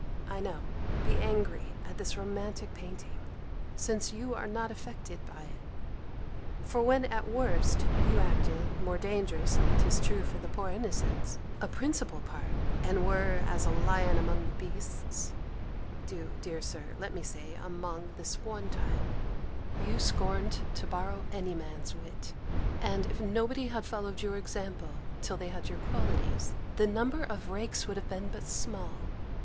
I know be angry at this romantic painting: since you are not affected by it: for when at worst, you acted (more dangerously, 'tis true, for the poor innocents) a principal part, and were as a lion among beasts Do, dear Sir, let me say among, this one time You scorned to borrow any man's wit; and if nobody had followed your example, till they had had your qualities, the number of rakes would have been but small.